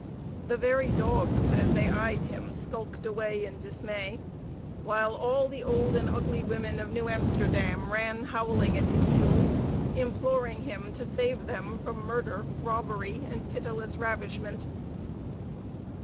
The very dogs, as they eyed him, skulked away in dismay; while all the old and ugly women of New Amsterdam ran howling at his heels, imploring him to save them from murder, robbery, and pitiless ravishment!